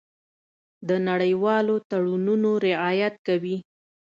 د نړیوالو تړونونو رعایت کوي.